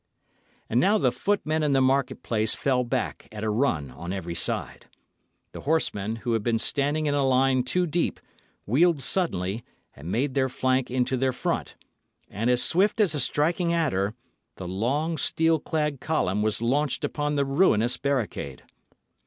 And now the footmen in the market place fell back, at a run, on every side. The horsemen, who had been standing in a line two deep, wheeled suddenly, and made their flank into their front; and as swift as a striking adder, the long, steel clad column was launched upon the ruinous barricade.